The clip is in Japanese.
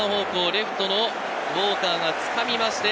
レフト、ウォーカーがつかみました。